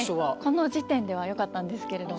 この時点ではよかったんですけれども。